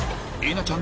稲ちゃん？